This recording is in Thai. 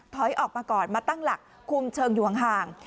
ถอยออกมาก่อนมาตั้งหลักคุมเชิงอยู่ห่าง